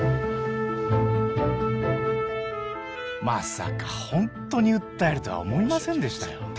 まさかホントに訴えるとは思いませんでしたよ